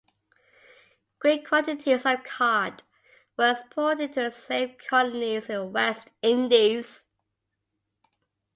Great quantities of cod were exported to the slave colonies in the West Indies.